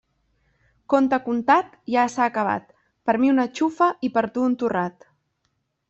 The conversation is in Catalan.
Conte contat, ja s'ha acabat; per a mi una xufa i per a tu un torrat.